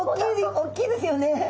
大きいですよね。